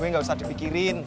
gue gausah dipikirin